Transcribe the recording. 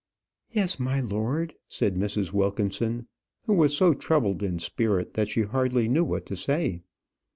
"Yes, my lord," said Mrs. Wilkinson, who was so troubled in spirit that she hardly knew what to say.